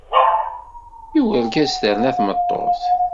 I urgaz terna tmeṭṭut.